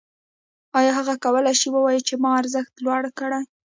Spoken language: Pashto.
آیا هغه کولی شي ووايي چې ما ارزښت لوړ کړی